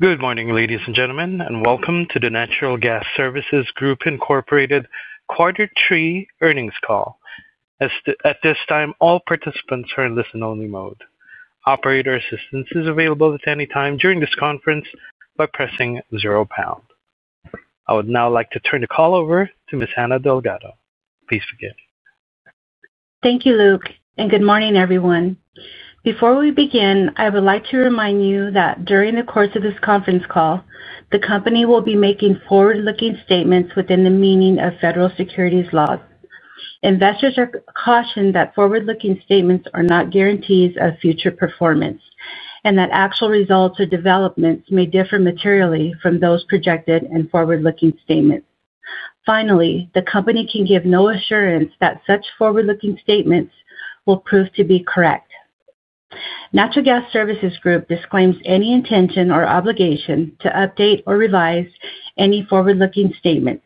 Good morning, ladies and gentlemen, and welcome to the Natural Gas Services Group Inc quarter three earnings call. At this time, all participants are in listen-only mode. Operator assistance is available at any time during this conference by pressing zero pound. I would now like to turn the call over to Miss Anna Delgado. Please begin. Thank you, Luke, and good morning, everyone. Before we begin, I would like to remind you that during the course of this conference call, the company will be making forward-looking statements within the meaning of federal securities laws. Investors are cautioned that forward-looking statements are not guarantees of future performance and that actual results or developments may differ materially from those projected in forward-looking statements. Finally, the company can give no assurance that such forward-looking statements will prove to be correct. Natural Gas Services Group disclaims any intention or obligation to update or revise any forward-looking statements,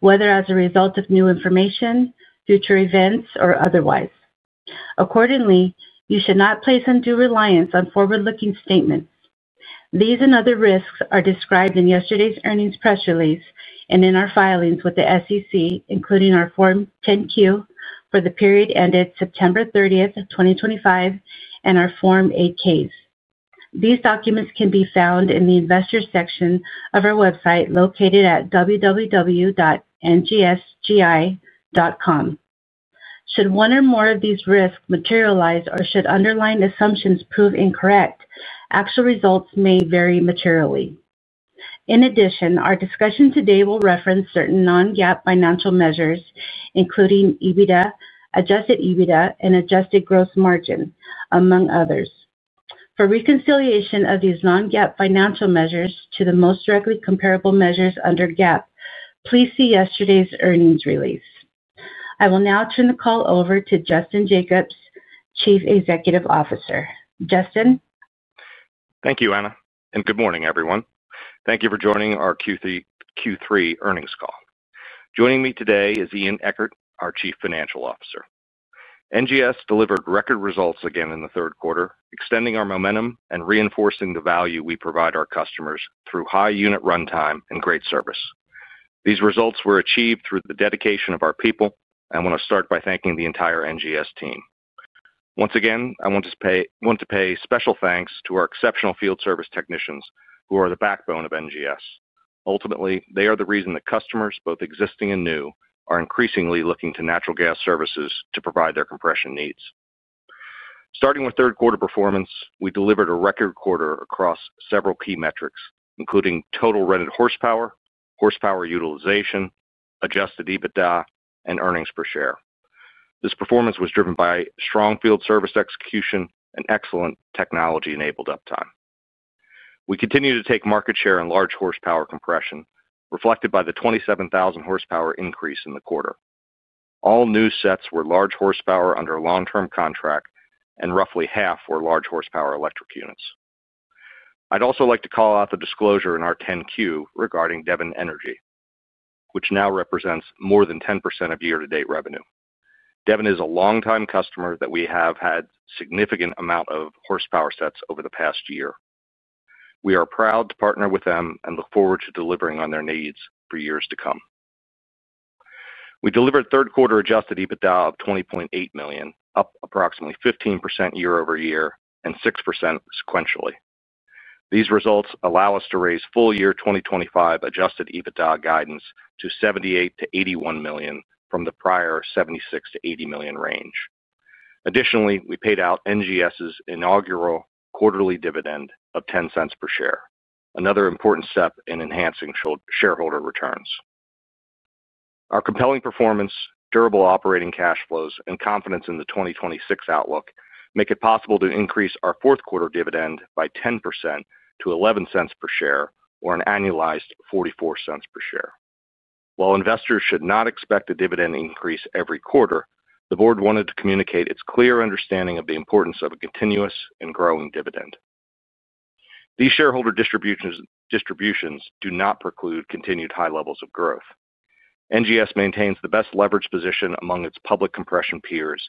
whether as a result of new information, future events, or otherwise. Accordingly, you should not place undue reliance on forward-looking statements. These and other risks are described in yesterday's earnings press release and in our filings with the SEC, including our Form 10-Q for the period ended September 30th, 2025, and our Form 8-Ks. These documents can be found in the investor section of our website located at www.ngsgi.com. Should one or more of these risks materialize or should underlying assumptions prove incorrect, actual results may vary materially. In addition, our discussion today will reference certain non-GAAP financial measures, including EBITDA, adjusted EBITDA, and adjusted gross margin, among others. For reconciliation of these non-GAAP financial measures to the most directly comparable measures under GAAP, please see yesterday's earnings release. I will now turn the call over to Justin Jacobs, Chief Executive Officer. Justin. Thank you, Anna, and good morning, everyone. Thank you for joining our Q3 earnings call. Joining me today is Ian Eckert, our Chief Financial Officer. NGS delivered record results again in the third quarter, extending our momentum and reinforcing the value we provide our customers through high unit runtime and great service. These results were achieved through the dedication of our people, and I want to start by thanking the entire NGS team. Once again, I want to pay special thanks to our exceptional field service technicians who are the backbone of NGS. Ultimately, they are the reason that customers, both existing and new, are increasingly looking to Natural Gas Services to provide their compression needs. Starting with third quarter performance, we delivered a record quarter across several key metrics, including total rented horsepower, horsepower utilization, adjusted EBITDA, and earnings per share. This performance was driven by strong field service execution and excellent technology-enabled uptime. We continue to take market share in large horsepower compression, reflected by the 27,000 hp increase in the quarter. All new sets were large horsepower under a long-term contract, and roughly half were large horsepower electric units. I'd also like to call out the disclosure in our 10-Q regarding Devon Energy, which now represents more than 10% of year-to-date revenue. Devon is a longtime customer that we have had a significant amount of horsepower sets over the past year. We are proud to partner with them and look forward to delivering on their needs for years to come. We delivered third quarter adjusted EBITDA of $20.8 million, up approximately 15% year-over-year and 6% sequentially. These results allow us to raise full year 2025 adjusted EBITDA guidance to $78 million-$81 million from the prior $76 million-$80 million range. Additionally, we paid out NGS's inaugural quarterly dividend of $0.10 per share, another important step in enhancing shareholder returns. Our compelling performance, durable operating cash flows, and confidence in the 2026 outlook make it possible to increase our fourth quarter dividend by 10% to $0.11 per share or an annualized $0.44 per share. While investors should not expect a dividend increase every quarter, the board wanted to communicate its clear understanding of the importance of a continuous and growing dividend. These shareholder distributions do not preclude continued high levels of growth. NGS maintains the best leverage position among its public compression peers,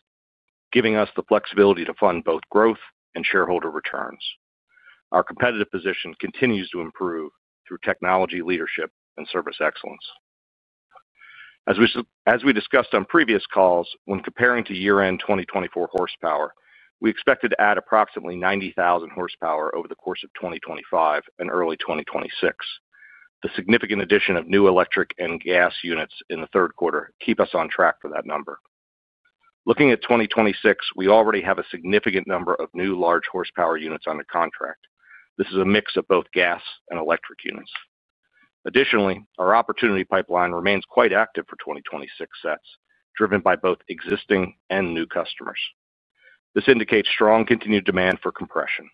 giving us the flexibility to fund both growth and shareholder returns. Our competitive position continues to improve through technology leadership and service excellence. As we discussed on previous calls, when comparing to year-end 2024 horsepower, we expected to add approximately 90,000 hp over the course of 2025 and early 2026. The significant addition of new electric and gas units in the third quarter keeps us on track for that number. Looking at 2026, we already have a significant number of new large horsepower units under contract. This is a mix of both gas and electric units. Additionally, our opportunity pipeline remains quite active for 2026 sets, driven by both existing and new customers. This indicates strong continued demand for compression.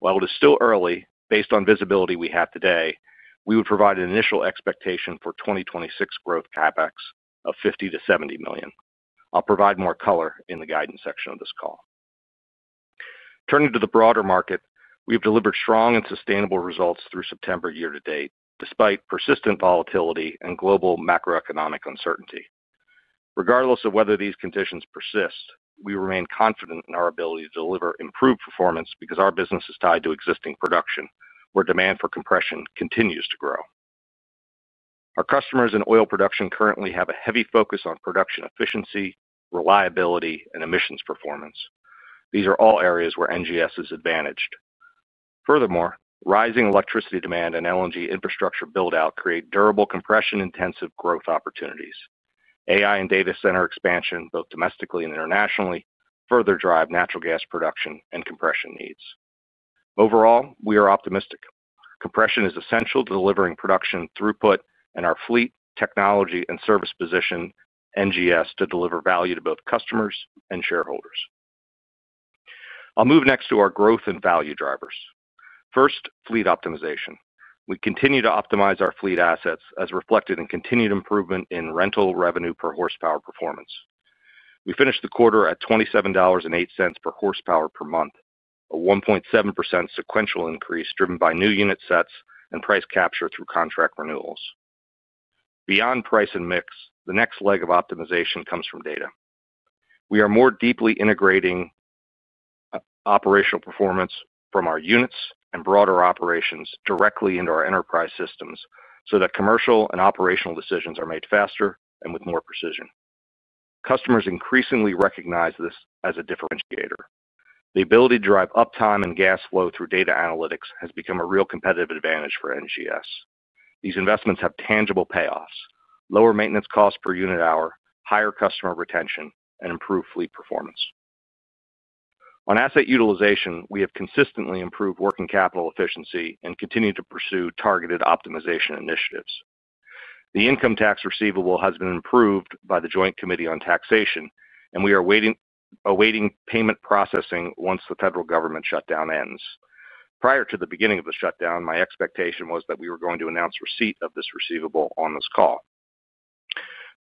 While it is still early, based on visibility we have today, we would provide an initial expectation for 2026 growth CapEx of $50 million-$70 million. I'll provide more color in the guidance section of this call. Turning to the broader market, we have delivered strong and sustainable results through September year-to-date, despite persistent volatility and global macroeconomic uncertainty. Regardless of whether these conditions persist, we remain confident in our ability to deliver improved performance because our business is tied to existing production where demand for compression continues to grow. Our customers in oil production currently have a heavy focus on production efficiency, reliability, and emissions performance. These are all areas where NGS is advantaged. Furthermore, rising electricity demand and LNG infrastructure buildout create durable compression-intensive growth opportunities. AI and data center expansion, both domestically and internationally, further drive natural gas production and compression needs. Overall, we are optimistic. Compression is essential to delivering production throughput and our fleet, technology, and service position, NGS, to deliver value to both customers and shareholders. I'll move next to our growth and value drivers. First, fleet optimization. We continue to optimize our fleet assets as reflected in continued improvement in rental revenue per horsepower performance. We finished the quarter at $27.08 per horsepower per month, a 1.7% sequential increase driven by new unit sets and price capture through contract renewals. Beyond price and mix, the next leg of optimization comes from data. We are more deeply integrating operational performance from our units and broader operations directly into our enterprise systems so that commercial and operational decisions are made faster and with more precision. Customers increasingly recognize this as a differentiator. The ability to drive uptime and gas flow through data analytics has become a real competitive advantage for NGS. These investments have tangible payoffs: lower maintenance costs per unit hour, higher customer retention, and improved fleet performance. On asset utilization, we have consistently improved working capital efficiency and continue to pursue targeted optimization initiatives. The income tax receivable has been improved by the Joint Committee on Taxation, and we are awaiting payment processing once the federal government shutdown ends. Prior to the beginning of the shutdown, my expectation was that we were going to announce receipt of this receivable on this call.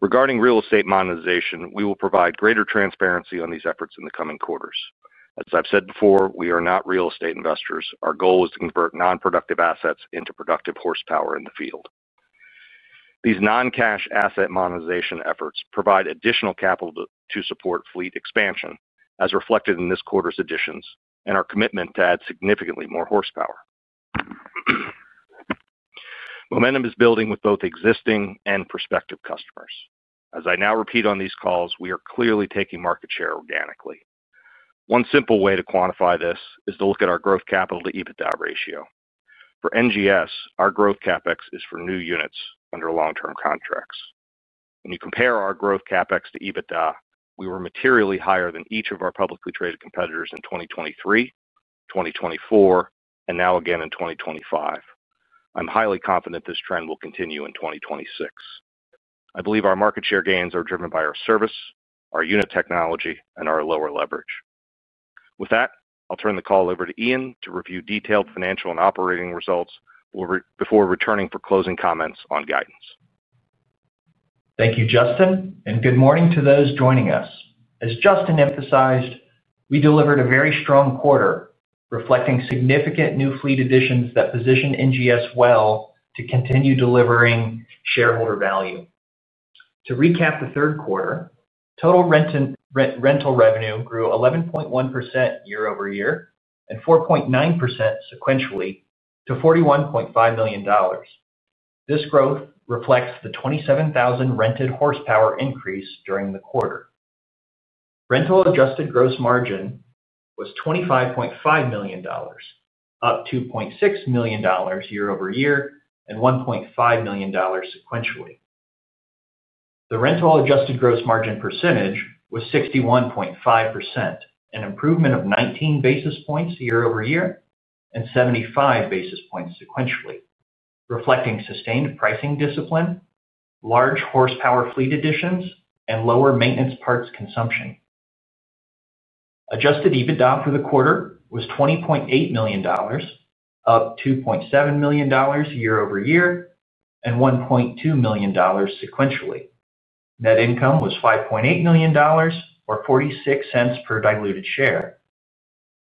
Regarding real estate monetization, we will provide greater transparency on these efforts in the coming quarters. As I've said before, we are not real estate investors. Our goal is to convert non-productive assets into productive horsepower in the field. These non-cash asset monetization efforts provide additional capital to support fleet expansion, as reflected in this quarter's additions and our commitment to add significantly more horsepower. Momentum is building with both existing and prospective customers. As I now repeat on these calls, we are clearly taking market share organically. One simple way to quantify this is to look at our growth capital to EBITDA ratio. For NGS, our growth CapEx is for new units under long-term contracts. When you compare our growth CapEx to EBITDA, we were materially higher than each of our publicly traded competitors in 2023, 2024, and now again in 2025. I'm highly confident this trend will continue in 2026. I believe our market share gains are driven by our service, our unit technology, and our lower leverage. With that, I'll turn the call over to Ian to review detailed financial and operating results before returning for closing comments on guidance. Thank you, Justin, and good morning to those joining us. As Justin emphasized, we delivered a very strong quarter, reflecting significant new fleet additions that position NGS well to continue delivering shareholder value. To recap the third quarter, total rental revenue grew 11.1% year-over-year and 4.9% sequentially to $41.5 million. This growth reflects the 27,000 rented horsepower increase during the quarter. Rental adjusted gross margin was $25.5 million, up $2.6 million year-over-year and $1.5 million sequentially. The rental adjusted gross margin percentage was 61.5%, an improvement of 19 basis points year-over-year and 75 basis points sequentially, reflecting sustained pricing discipline, large horsepower fleet additions, and lower maintenance parts consumption. Adjusted EBITDA for the quarter was $20.8 million, up $2.7 million year-over-year and $1.2 million sequentially. Net income was $5.8 million or $0.46 per diluted share,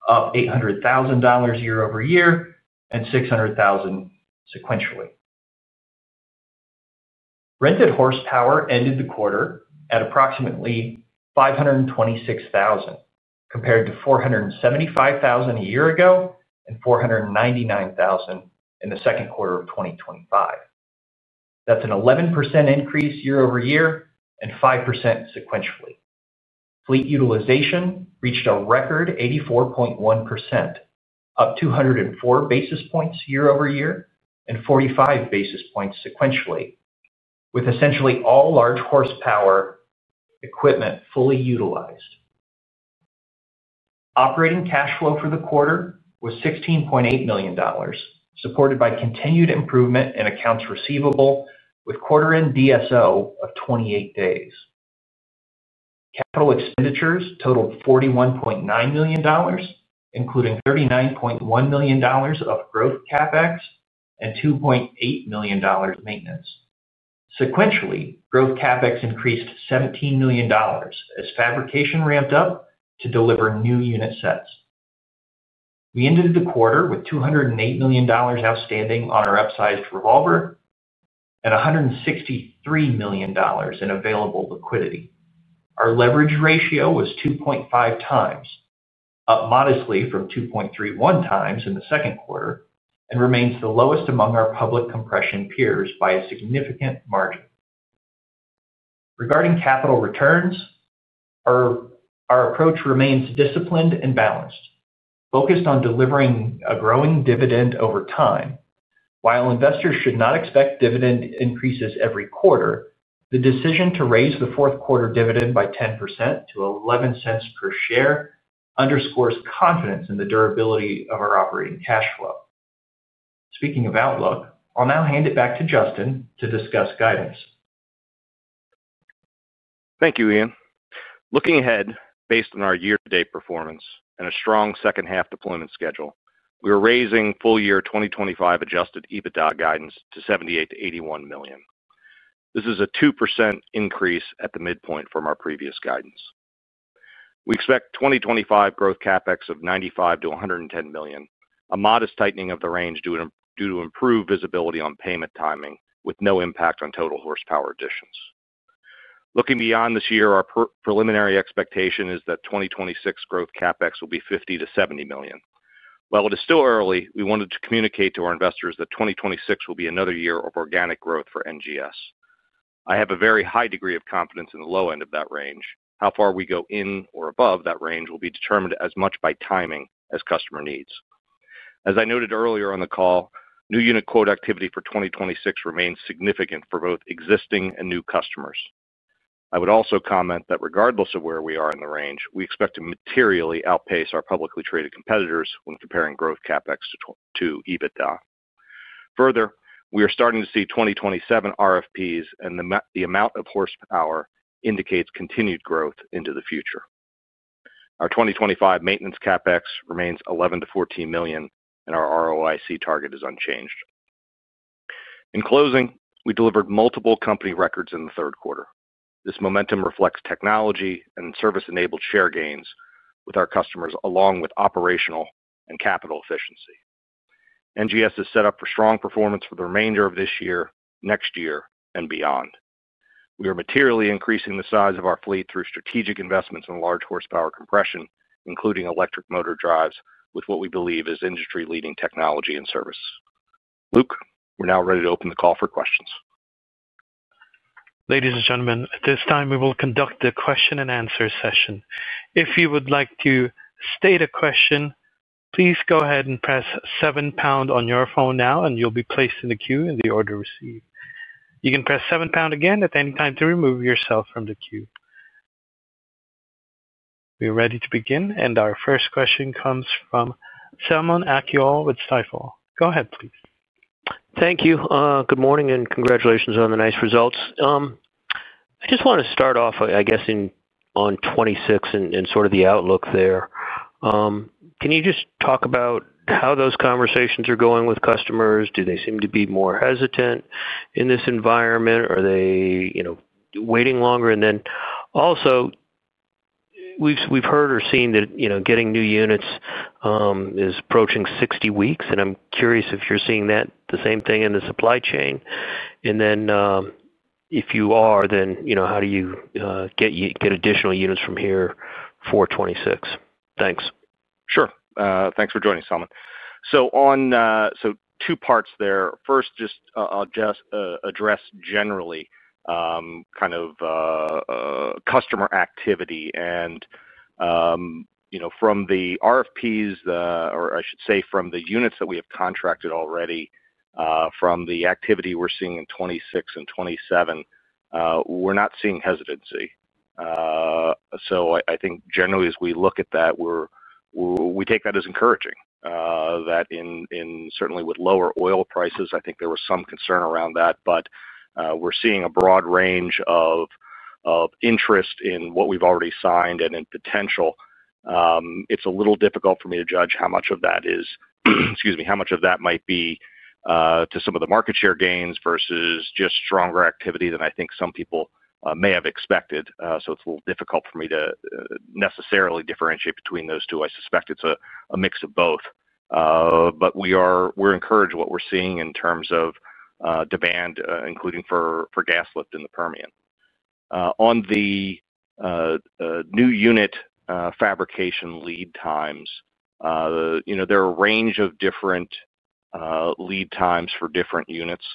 up $800,000 year-over-year and $600,000 sequentially. Rented horsepower ended the quarter at approximately 526,000, compared to 475,000 a year ago and 499,000 in the second quarter of 2025. That's an 11% increase year-over-year and 5% sequentially. Fleet utilization reached a record 84.1%, up 204 basis points year-over-year and 45 basis points sequentially, with essentially all large horsepower equipment fully utilized. Operating cash flow for the quarter was $16.8 million, supported by continued improvement in accounts receivable with quarter-end DSO of 28 days. Capital expenditures totaled $41.9 million, including $39.1 million of growth CapEx and $2.8 million maintenance. Sequentially, growth CapEx increased $17 million as fabrication ramped up to deliver new unit sets. We ended the quarter with $208 million outstanding on our upsized revolver and $163 million in available liquidity. Our leverage ratio was 2.5x, up modestly from 2.31x in the second quarter, and remains the lowest among our public compression peers by a significant margin. Regarding capital returns, our approach remains disciplined and balanced, focused on delivering a growing dividend over time. While investors should not expect dividend increases every quarter, the decision to raise the fourth quarter dividend by 10% to $0.11 per share underscores confidence in the durability of our operating cash flow. Speaking of outlook, I'll now hand it back to Justin to discuss guidance. Thank you, Ian. Looking ahead, based on our year-to-date performance and a strong second-half deployment schedule, we are raising full year 2025 adjusted EBITDA guidance to $78 million-$81 million. This is a 2% increase at the midpoint from our previous guidance. We expect 2025 growth CapEx of $95 million-$110 million, a modest tightening of the range due to improved visibility on payment timing, with no impact on total horsepower additions. Looking beyond this year, our preliminary expectation is that 2026 growth CapEx will be $50 million-$70 million. While it is still early, we wanted to communicate to our investors that 2026 will be another year of organic growth for NGS. I have a very high degree of confidence in the low end of that range. How far we go in or above that range will be determined as much by timing as customer needs. As I noted earlier on the call, new unit quote activity for 2026 remains significant for both existing and new customers. I would also comment that regardless of where we are in the range, we expect to materially outpace our publicly traded competitors when comparing growth CapEx to EBITDA. Further, we are starting to see 2027 RFPs, and the amount of horsepower indicates continued growth into the future. Our 2025 maintenance CapEx remains $11 million-$14 million, and our ROIC target is unchanged. In closing, we delivered multiple company records in the third quarter. This momentum reflects technology and service-enabled share gains with our customers, along with operational and capital efficiency. NGS is set up for strong performance for the remainder of this year, next year, and beyond. We are materially increasing the size of our fleet through strategic investments in large horsepower compression, including electric motor drives, with what we believe is industry-leading technology and services. Luke, we're now ready to open the call for questions. Ladies and gentlemen, at this time, we will conduct the question-and-answer session. If you would like to state a question, please go ahead and press seven pound on your phone now, and you'll be placed in the queue in the order received. You can press seven pound again at any time to remove yourself from the queue. We are ready to begin, and our first question comes from Selman Akyol with Stifel. Go ahead, please. Thank you. Good morning and congratulations on the nice results. I just want to start off, I guess, on 2026 and sort of the outlook there. Can you just talk about how those conversations are going with customers? Do they seem to be more hesitant in this environment? Are they waiting longer? Also, we've heard or seen that getting new units is approaching 60 weeks, and I'm curious if you're seeing the same thing in the supply chain. If you are, then how do you get additional units from here for 2026? Thanks. Sure. Thanks for joining, Selman. Two parts there. First, I'll just address generally kind of customer activity. From the RFPs, or I should say from the units that we have contracted already, from the activity we're seeing in 2026 and 2027, we're not seeing hesitancy. I think generally, as we look at that, we take that as encouraging that certainly with lower oil prices, I think there was some concern around that, but we're seeing a broad range of interest in what we've already signed and in potential. It's a little difficult for me to judge how much of that is, excuse me, how much of that might be due to some of the market share gains versus just stronger activity than I think some people may have expected. It's a little difficult for me to necessarily differentiate between those two. I suspect it's a mix of both, but we're encouraged by what we're seeing in terms of demand, including for gas lift in the Permian. On the new unit fabrication lead times, there are a range of different lead times for different units.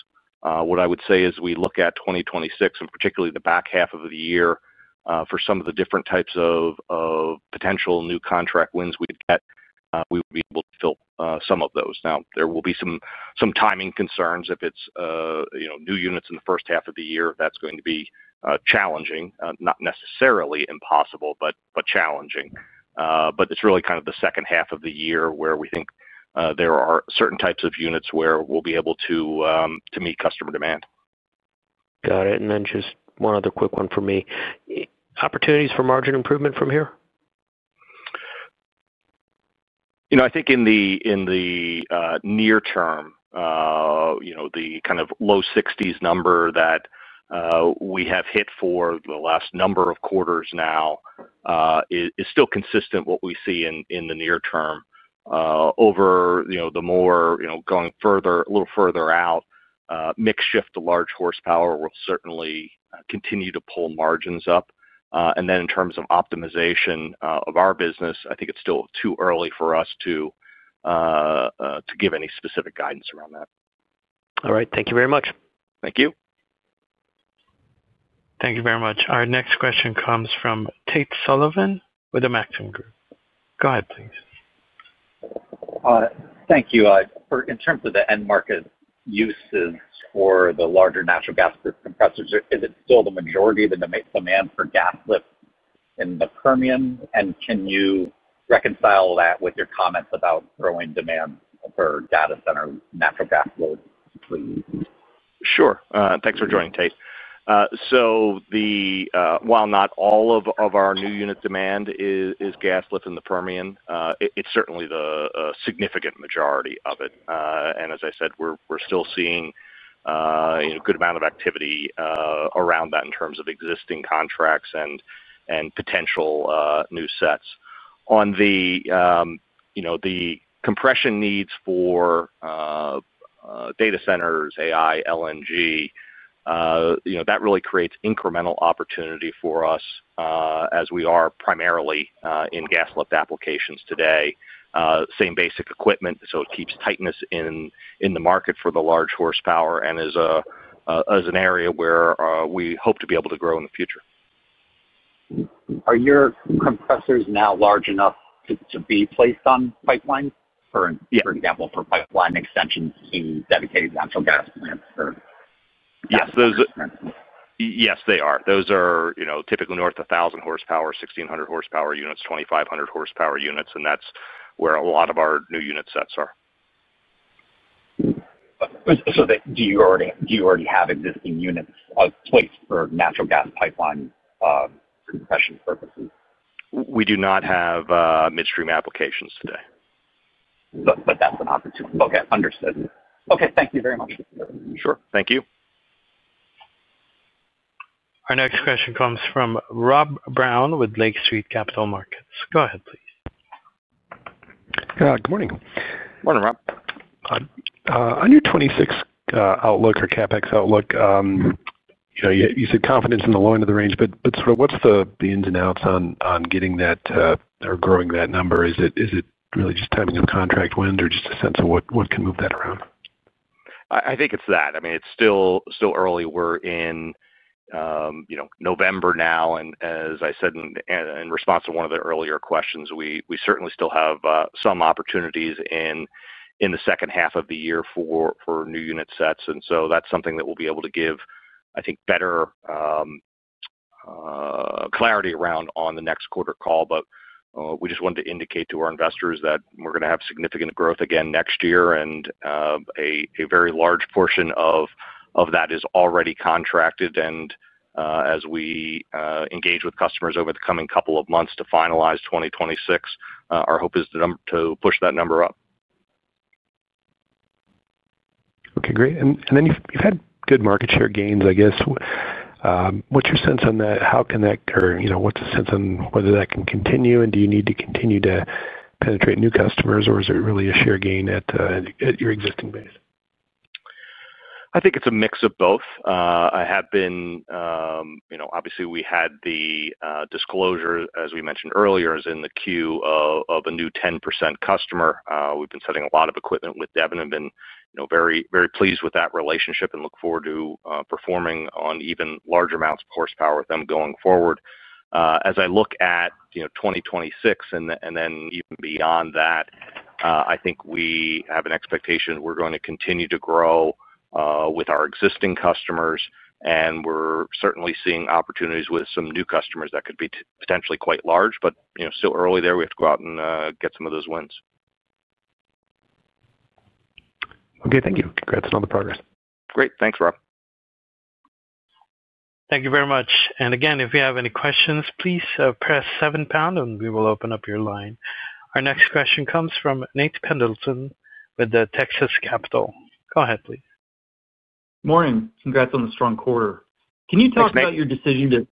What I would say is as we look at 2026, and particularly the back half of the year, for some of the different types of potential new contract wins we could get, we would be able to fill some of those. Now, there will be some timing concerns. If it's new units in the first half of the year, that's going to be challenging—not necessarily impossible, but challenging. It is really kind of the second half of the year where we think there are certain types of units where we'll be able to meet customer demand. Got it. And then just one other quick one for me. Opportunities for margin improvement from here? I think in the near term, the kind of low 60s number that we have hit for the last number of quarters now is still consistent with what we see in the near term. Over the more, going further, a little further out, mix shift to large horsepower will certainly continue to pull margins up. In terms of optimization of our business, I think it's still too early for us to give any specific guidance around that. All right. Thank you very much. Thank you. Thank you very much. Our next question comes from Tate Sullivan with Maxim Group. Go ahead, please. Thank you. In terms of the end market uses for the larger natural gas compressors, is it still the majority of the demand for gas lift in the Permian? Can you reconcile that with your comments about growing demand for data center natural gas loads? Sure. Thanks for joining, Tate. While not all of our new unit demand is gas lift in the Permian, it is certainly the significant majority of it. As I said, we are still seeing a good amount of activity around that in terms of existing contracts and potential new sets. On the compression needs for data centers, AI, LNG, that really creates incremental opportunity for us as we are primarily in gas lift applications today. Same basic equipment, so it keeps tightness in the market for the large horsepower and is an area where we hope to be able to grow in the future. Are your compressors now large enough to be placed on pipelines? For example, for pipeline extensions to dedicated natural gas plants? Yes, they are. Those are typically north of 1,000 hp, 1,600 hp units, 2,500 hp units, and that's where a lot of our new unit sets are. Do you already have existing units placed for natural gas pipeline compression purposes? We do not have midstream applications today. That's an opportunity. Okay. Understood. Okay. Thank you very much. Sure. Thank you. Our next question comes from Rob Brown with Lake Street Capital Markets. Go ahead, please. Good morning. Morning, Rob. On your 2026 outlook or CapEx outlook, you said confidence in the low end of the range, but sort of what's the ins and outs on getting that or growing that number? Is it really just timing of contract wind or just a sense of what can move that around? I think it's that. I mean, it's still early. We're in November now. As I said in response to one of the earlier questions, we certainly still have some opportunities in the second half of the year for new unit sets. That's something that we'll be able to give, I think, better clarity around on the next quarter call. We just wanted to indicate to our investors that we're going to have significant growth again next year, and a very large portion of that is already contracted. As we engage with customers over the coming couple of months to finalize 2026, our hope is to push that number up. Okay. Great. You've had good market share gains, I guess. What's your sense on that? How can that occur? What's the sense on whether that can continue? Do you need to continue to penetrate new customers, or is it really a share gain at your existing base? I think it's a mix of both. I have been, obviously, we had the disclosure, as we mentioned earlier, is in the queue of a new 10% customer. We've been setting a lot of equipment with Devon and been very pleased with that relationship and look forward to performing on even larger amounts of horsepower with them going forward. As I look at 2026 and then even beyond that, I think we have an expectation we're going to continue to grow with our existing customers, and we're certainly seeing opportunities with some new customers that could be potentially quite large, but still early there. We have to go out and get some of those wins. Okay. Thank you. Congrats on all the progress. Great. Thanks, Rob. Thank you very much. If you have any questions, please press seven pound, and we will open up your line. Our next question comes from Nate Pendleton with Texas Capital. Go ahead, please. Good morning. Congrats on the strong quarter. Can you talk about your decision to—of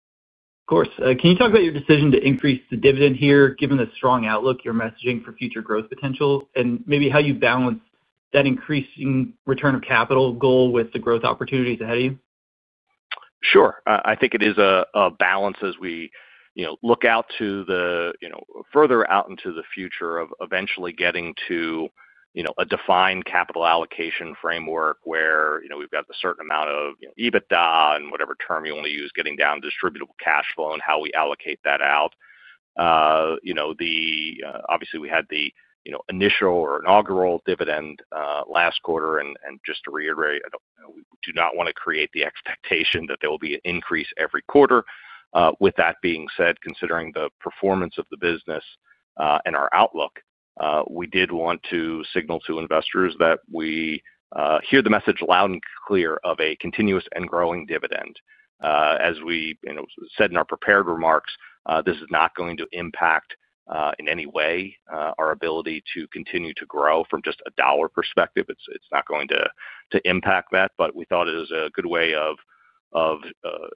course. Can you talk about your decision to increase the dividend here, given the strong outlook you're messaging for future growth potential, and maybe how you balance that increasing return of capital goal with the growth opportunities ahead of you? Sure. I think it is a balance as we look out to the further out into the future of eventually getting to a defined capital allocation framework where we've got a certain amount of EBITDA and whatever term you want to use, getting down to distributable cash flow and how we allocate that out. Obviously, we had the initial or inaugural dividend last quarter. Just to reiterate, we do not want to create the expectation that there will be an increase every quarter. With that being said, considering the performance of the business and our outlook, we did want to signal to investors that we hear the message loud and clear of a continuous and growing dividend. As we said in our prepared remarks, this is not going to impact in any way our ability to continue to grow from just a dollar perspective. It's not going to impact that, but we thought it was a good way of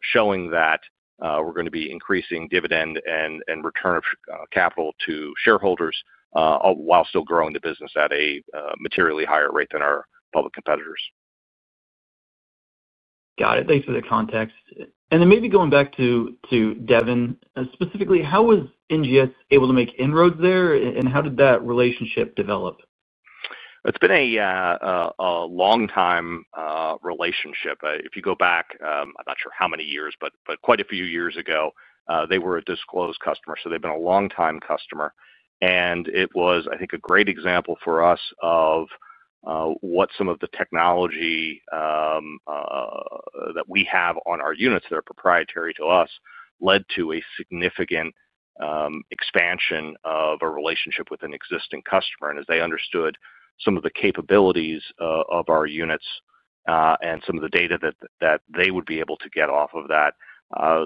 showing that we're going to be increasing dividend and return of capital to shareholders while still growing the business at a materially higher rate than our public competitors. Got it. Thanks for the context. Maybe going back to Devon, specifically, how was NGS able to make inroads there, and how did that relationship develop? It's been a long-time relationship. If you go back, I'm not sure how many years, but quite a few years ago, they were a disclosed customer. They've been a long-time customer. It was, I think, a great example for us of what some of the technology that we have on our units that are proprietary to us led to a significant expansion of our relationship with an existing customer. As they understood some of the capabilities of our units and some of the data that they would be able to get off of that,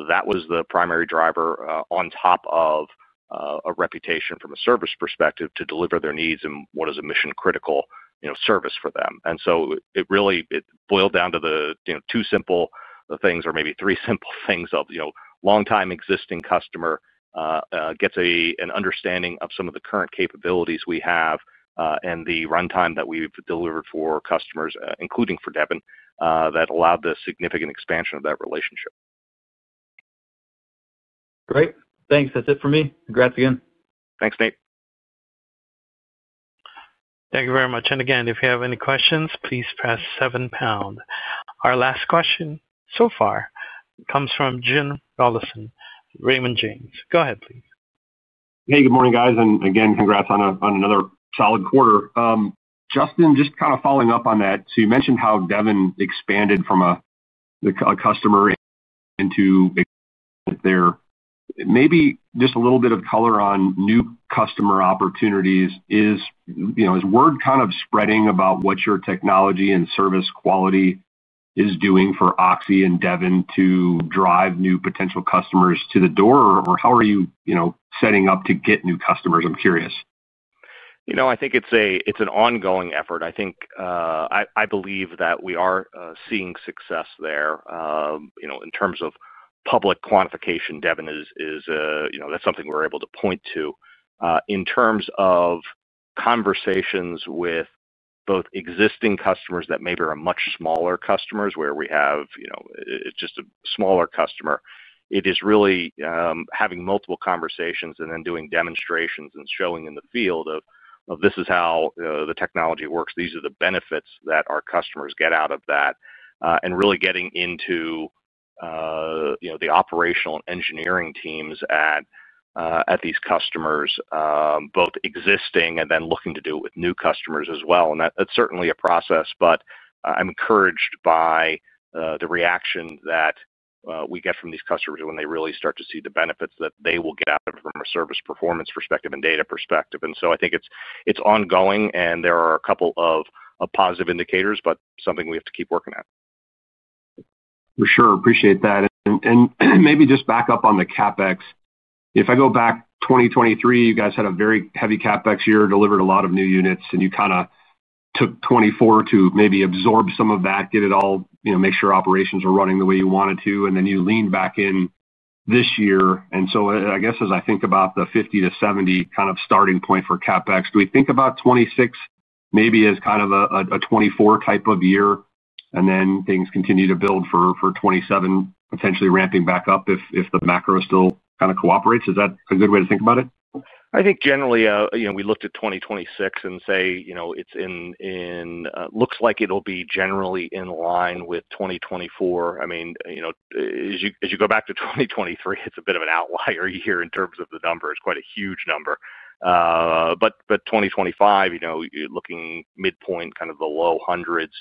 that was the primary driver on top of a reputation from a service perspective to deliver their needs and what is a mission-critical service for them. It really boiled down to the two simple things or maybe three simple things of long-time existing customer gets an understanding of some of the current capabilities we have and the runtime that we've delivered for customers, including for Devon, that allowed the significant expansion of that relationship. Great. Thanks. That's it for me. Congrats again. Thanks, Nate. Thank you very much. If you have any questions, please press seven pound. Our last question so far comes from Jim Rollyson, Raymond James. Go ahead, please. Hey, good morning, guys. Again, congrats on another solid quarter. Justin, just kind of following up on that, you mentioned how Devon expanded from a customer into there, maybe just a little bit of color on new customer opportunities. Is word kind of spreading about what your technology and service quality is doing for Oxy and Devon to drive new potential customers to the door, or how are you setting up to get new customers? I'm curious. I think it's an ongoing effort. I believe that we are seeing success there in terms of public quantification. Devon, that's something we're able to point to. In terms of conversations with both existing customers that maybe are much smaller customers where we have just a smaller customer, it is really having multiple conversations and then doing demonstrations and showing in the field of, "This is how the technology works. These are the benefits that our customers get out of that," and really getting into the operational and engineering teams at these customers, both existing and then looking to do it with new customers as well. That is certainly a process, but I'm encouraged by the reaction that we get from these customers when they really start to see the benefits that they will get out of it from a service performance perspective and data perspective. I think it's ongoing, and there are a couple of positive indicators, but something we have to keep working on. For sure. Appreciate that. Maybe just back up on the CapEx. If I go back 2023, you guys had a very heavy CapEx year, delivered a lot of new units, and you kind of took 2024 to maybe absorb some of that, get it all, make sure operations were running the way you wanted to, and then you leaned back in this year. I guess as I think about the $50 million-$70 million kind of starting point for CapEx, do we think about 2026 maybe as kind of a 2024 type of year, and then things continue to build for 2027, potentially ramping back up if the macro still kind of cooperates? Is that a good way to think about it? I think generally we looked at 2026 and say it looks like it'll be generally in line with 2024. I mean, as you go back to 2023, it's a bit of an outlier year in terms of the number. It's quite a huge number. 2025, looking midpoint, kind of the low hundreds,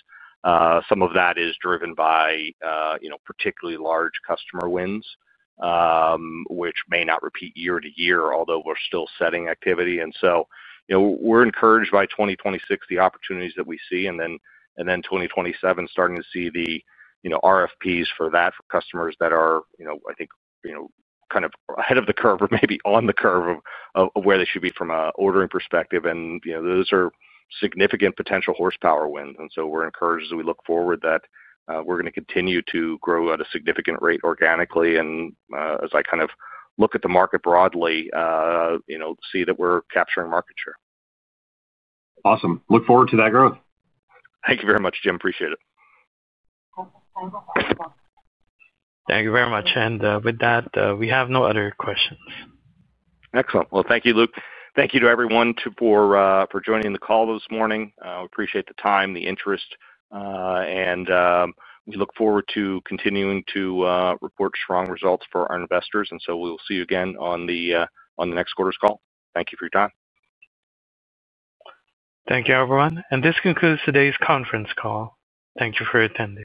some of that is driven by particularly large customer wins, which may not repeat year to year, although we're still setting activity. We are encouraged by 2026, the opportunities that we see, and then 2027, starting to see the RFPs for that for customers that are, I think, kind of ahead of the curve or maybe on the curve of where they should be from an ordering perspective. Those are significant potential horsepower wins. We are encouraged as we look forward that we're going to continue to grow at a significant rate organically. As I kind of look at the market broadly, see that we're capturing market share. Awesome. Look forward to that growth. Thank you very much, Jim. Appreciate it. Thank you very much. With that, we have no other questions. Excellent. Thank you, Luke. Thank you to everyone for joining the call this morning. Appreciate the time, the interest, and we look forward to continuing to report strong results for our investors. We will see you again on the next quarter's call. Thank you for your time. Thank you, everyone. This concludes today's conference call. Thank you for attending.